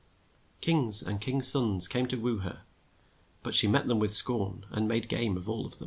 Kings and king's sons came to woo her, but she met them with scorn, and made game of them all.